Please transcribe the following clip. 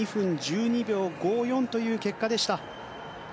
２分１２秒５４という結果でした。